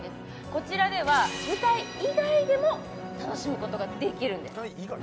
こちらでは舞台以外でも楽しむことができるんです